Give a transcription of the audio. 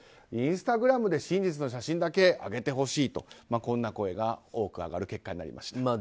インスタグラムで真実の写真だけ上げてほしいとこんな声が多く上がる結果になりました。